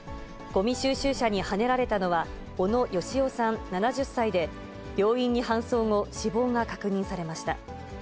ごみ収集車にはねられたのは、小野佳朗さん７０歳で、病院に搬送後、死亡が確認されました。